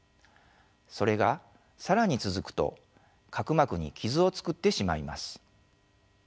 それが更に続くと角膜に傷を作ってしまいます。